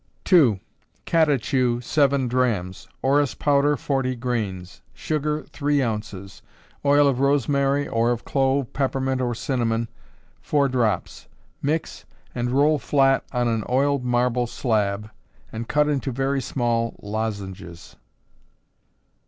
2. Catechu, seven drachms; orris powder, forty grains; sugar, three ounces; oil of rosemary, (or of clove, peppermint, or cinnamon,) four drops. Mix, and roll flat on an oiled marble slab, and cut into very small lozenges.